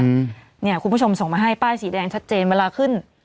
คุณผู้ชมเนี่ยคุณผู้ชมส่งมาให้ป้ายสีแดงชัดเจนเวลาขึ้น